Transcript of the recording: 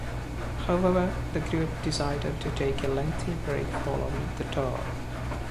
However, the group decided to take a lengthy break following the tour.